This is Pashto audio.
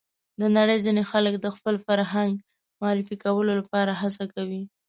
د نړۍ ځینې خلک د خپل فرهنګ معرفي کولو لپاره هڅه کوي.